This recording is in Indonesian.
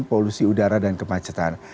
polusi udara dan kemacetan